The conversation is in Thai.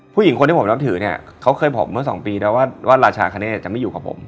ผู้หญิงคนที่ผมนับถือเนี่ยเขาเคยบอกเมื่อสองปีแล้วว่าราชาคเนธจะไม่อยู่กับผม